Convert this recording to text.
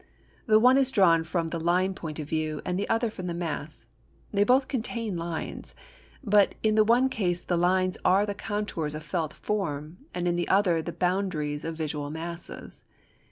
The one is drawn from the line point of view and the other from the mass. They both contain lines, but in the one case the lines are the contours of felt forms and in the other the boundaries of visual masses.